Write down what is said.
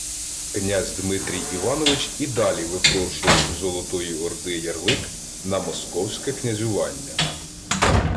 Князь Димитрій Іванович і далі випрошував у Золотої Орди «ярлик» на московське князювання